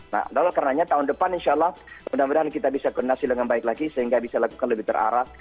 nah lalu karenanya tahun depan insya allah mudah mudahan kita bisa koordinasi dengan baik lagi sehingga bisa lakukan lebih terarah